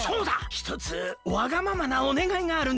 ひとつわがままなおねがいがあるんですが。